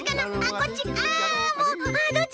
こっち？